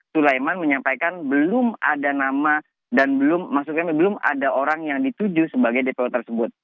sulaiman menyampaikan belum ada nama dan belum maksudnya belum ada orang yang dituju sebagai dpo tersebut